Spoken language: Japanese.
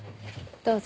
どうぞ。